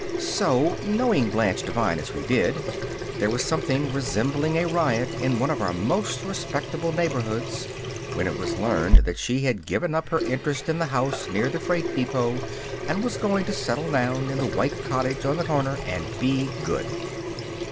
So, knowing Blanche Devine as we did, there was something resembling a riot in one of our most respectable neighborhoods when it was learned that she had given up her interest in the house near the freight depot and was going to settle down in the white cottage on the corner and be good.